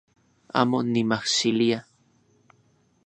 Amo nimajxilia